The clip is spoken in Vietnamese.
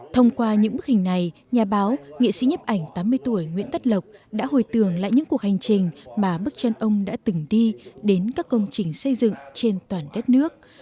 thông qua những bức hình này nhà báo nghệ sĩ nhấp ảnh tám mươi tuổi nguyễn tất lộc đã hồi tường lại những cuộc hành trình mà bức tranh ông đã từng đi đến các công trình xây dựng trên toàn đất nước